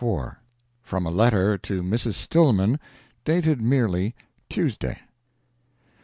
IV From a letter to Mrs. Stillman, dated merely "Tuesday."